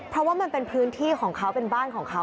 เพราะว่ามันเป็นพื้นที่ของเขาเป็นบ้านของเขา